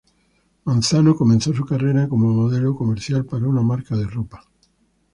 Manzano comenzó su carrera como modelo comercial para una marca de ropa.